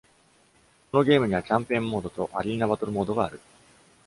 このゲームには「キャンペーンモード」と「アリーナバトル」モードがある。